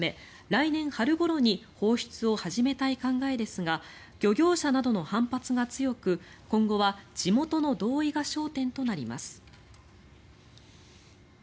来年春ごろに放出を始めたい考えですが漁業者などの反発が強く今後は地元の同意が焦点となります。